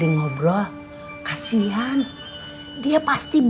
isabar pake nama yang lain